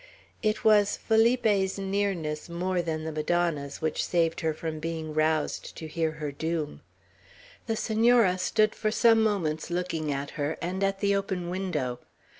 It was Felipe's nearness more than the Madonna's, which saved her from being roused to hear her doom. The Senora stood for some moments looking at her, and at the open window.